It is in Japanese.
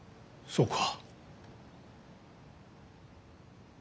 そうか。